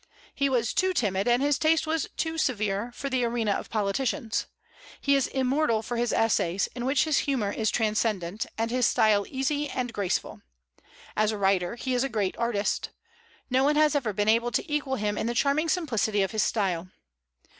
He was too timid, and his taste was too severe, for the arena of politicians. He is immortal for his essays, in which his humor is transcendent, and his style easy and graceful, As a writer, he is a great artist. No one has ever been able to equal him in the charming simplicity of his style.